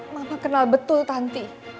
mama kenal betul tanti